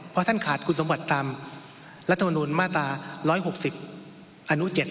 เพราะท่านขาดคุณสมบัติตามรัฐมนุนมาตรา๑๖๐อนุ๗